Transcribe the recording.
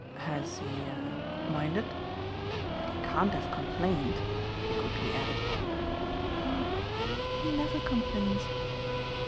"Has he a minded? Hut he can't have complained!" he quickly added. "Oh he never complains."